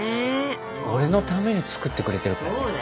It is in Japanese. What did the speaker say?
俺のために作ってくれてるからね。